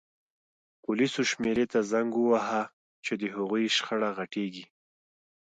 پولیسو شمېرې ته زنګ ووهه چې د هغوی شخړه غټیږي